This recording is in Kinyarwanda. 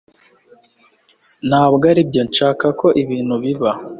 ntabwo aribyo nshaka ko ibintu biba